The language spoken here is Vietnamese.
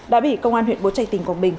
đã bị công an huyện bố trạch tỉnh quảng bình